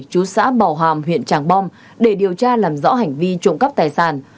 chú xã bảo hàm huyện tràng bom để điều tra làm rõ hành vi trộm cắp tài sản